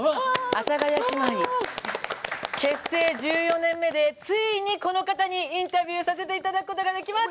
阿佐ヶ谷姉妹結成１４年目でついにこの方にインタビューさせていただくことができます。